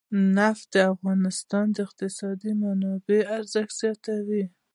نفت د افغانستان د اقتصادي منابعو ارزښت زیاتوي.